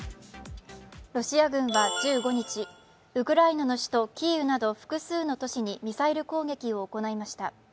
ロシア軍は１５日ウクライナの首都キーウなど複数の都市にミサイル攻撃を行いました。